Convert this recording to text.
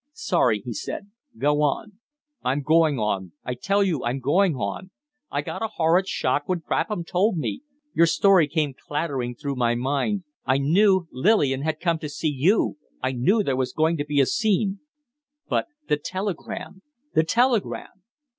"Sorry!" he said. "Go on!" "I'm going on! I tell you I'm going on. I got a horrid shock when Chapham told me. Your story came clattering through my mind. I knew Lillian had come to see you I knew there was going to be a scene " "But the telegram? The telegram?"